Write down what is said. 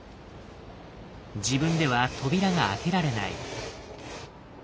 自分では扉が開けられない。